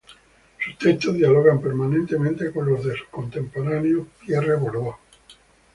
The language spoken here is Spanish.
Sus textos dialogan permanentemente con los de su contemporáneo Pierre Bourdieu.